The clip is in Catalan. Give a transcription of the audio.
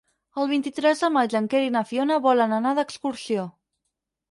El vint-i-tres de maig en Quer i na Fiona volen anar d'excursió.